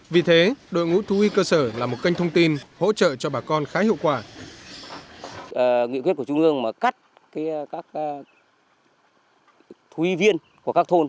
vì thế đội ngũ thú y cơ sở là một kênh thông tin hỗ trợ cho bà con khá hiệu quả